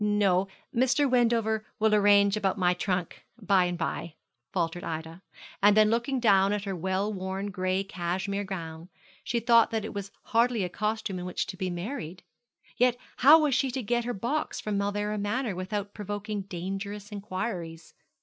'No; Mr. Wendover will arrange about my trunk by and by,' faltered Ida; and then looking down at her well worn gray cashmere gown, she thought that it was hardly a costume in which to be married. Yet how was she to get her box from Mauleverer Manor without provoking dangerous inquiries?